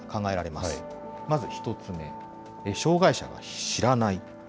まず１つ目、障害者が知らない。